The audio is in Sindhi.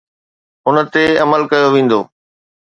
ان تي عمل ڪيو ويندو.